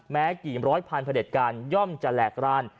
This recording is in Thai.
แม้กี่ร้อยพันพระเด็จการย่อมจะแหลกร้าน